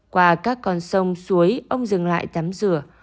qua các con sông suối ông dừng lại tắm rửa